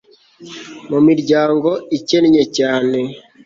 mu miryango ikennye cyane